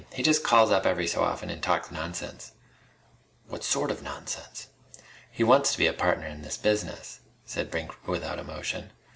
He just calls up every so often and talks nonsense." "What sort of nonsense?" "He wants to be a partner in this business," said Brink without emotion.